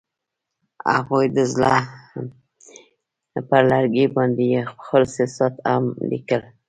هغوی د زړه پر لرګي باندې خپل احساسات هم لیکل.